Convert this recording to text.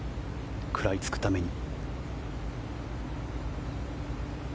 食らいつくために。